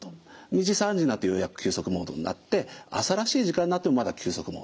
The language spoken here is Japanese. ２時３時になってようやく休息モードになって朝らしい時間になってもまだ休息モード。